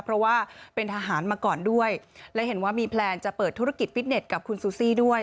เพราะว่าเป็นทหารมาก่อนด้วยและเห็นว่ามีแพลนจะเปิดธุรกิจฟิตเน็ตกับคุณซูซี่ด้วย